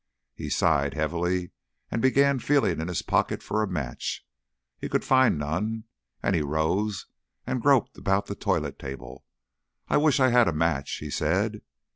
He sighed heavily, and began feeling in his pockets for a match. He could find none, and he rose and groped about the toilet table. "I wish I had a match," he said.